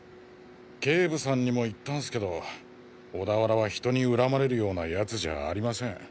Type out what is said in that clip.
警部さんにも言ったんスけど小田原は人に恨まれるような奴じゃありません。